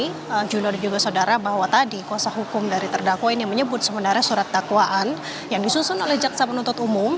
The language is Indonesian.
tadi juno dan juga saudara bahwa tadi kuasa hukum dari terdakwa ini menyebut sebenarnya surat dakwaan yang disusun oleh jaksa penuntut umum